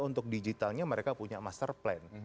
untuk digitalnya mereka punya master plan